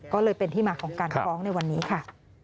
ก็เลยเป็นที่มาของการฟ้องในวันนี้ค่ะ